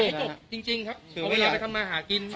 ถือเวลาไปทำมหากิน